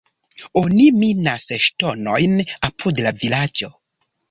Oni minas ŝtonojn apud la vilaĝo.